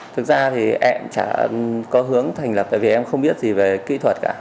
thực ra thì em có hướng thành lập tại vì em không biết gì về kỹ thuật cả